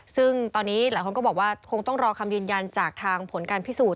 ซึ่งตอนนี้หลายคนก็บอกว่าคงต้องรอคำยืนยันจากทางผลการพิสูจน